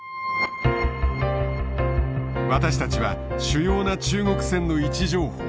私たちは主要な中国船の位置情報